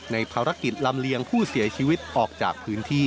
ภารกิจลำเลียงผู้เสียชีวิตออกจากพื้นที่